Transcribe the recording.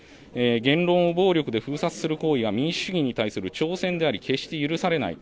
言論を暴力で封殺する行為は民主主義に対する挑戦であり、決して許されない。